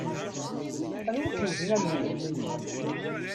Anwa i k-yewwten, a mmi?